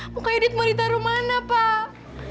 muka yudit mau ditaruh mana pak